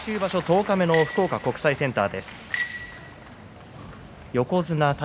十日目の福岡国際センターです。